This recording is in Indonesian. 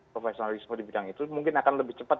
profesionalisme di bidang itu mungkin akan lebih cepat